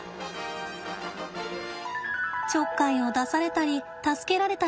ちょっかいを出されたり助けられたり。